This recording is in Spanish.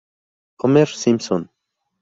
Homer Simpson".